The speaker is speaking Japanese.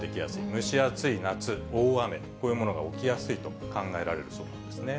蒸し暑い夏、大雨、こういうものが起きやすいと考えられるそうなんですね。